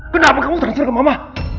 kenapa kamu tercir ke mama